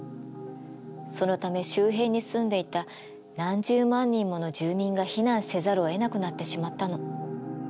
そのため周辺に住んでいた何十万人もの住民が避難せざるをえなくなってしまったの。